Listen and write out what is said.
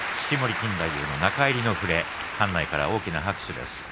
錦太夫の中入りの触れ館内から大きな拍手です。